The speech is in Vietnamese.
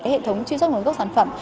hệ thống truy xuất nguồn gốc sản phẩm